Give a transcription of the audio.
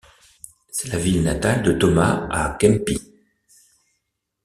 C'est la ville natale de Thomas a Kempis.